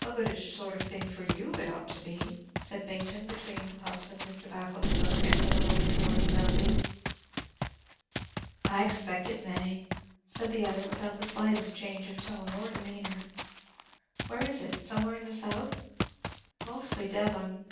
"A goodish sort of thing for you it ought to be," said Baynton, between the puffs of his tobacco smoke, and with a look towards Selby. "I suspect it may," said the other, without the slightest change of tone or demeanor. "Where is it, somewhere in the south?" "Mostly, Devon.